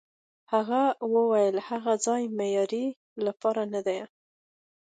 هغه وویل: هغه ځای د معمارۍ لپاره نه دی.